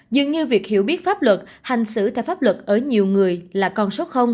dường như việc hiểu biết pháp luật hành xử theo pháp luật ở nhiều người là con số